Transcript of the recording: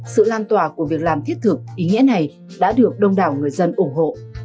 sự lan tỏa của việc làm thiết thực ý nghĩa này đã được đông đảo người dân ủng hộ